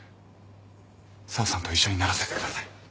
紗和さんと一緒にならせてください。